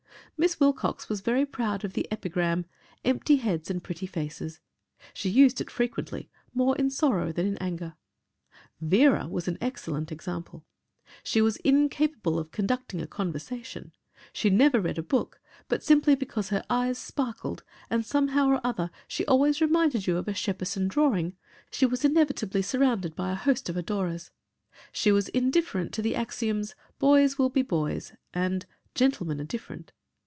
Miss Wilcox was very proud of the epigram, "empty heads and pretty faces." She used it frequently, more in sorrow than in anger. Vera was an excellent example. She was incapable of "conducting a conversation," she never read a book, but simply because her eyes sparkled and somehow or other, she always reminded you of a Shepperson drawing, she was invariably surrounded by a host of adorers. She was indifferent to the axioms, "boys will be boys" and "gentlemen are different."